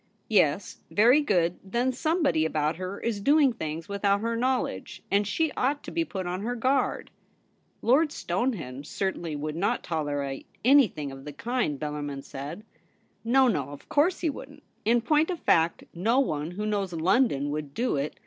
' Yes, very good. Then somebody about her is doing things without her knowledge ; and she ought to be put on her guard.' ' Lord Stonehenge certainly would not tolerate anything of the kind,' Bellarmin said. ' No, no ; of course he wouldn't. In point of fact, no one who knows London would do it.